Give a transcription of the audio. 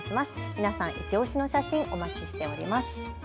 皆さんいちオシの写真、お待ちしております。